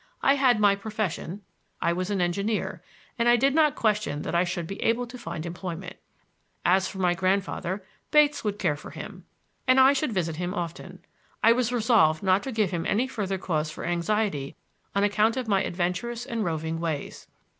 I had my profession; I was an engineer, and I did not question that I should be able to find employment. As for my grandfather, Bates would care for him, and I should visit him often. I was resolved not to give him any further cause for anxiety on account of my adventurous and roving ways.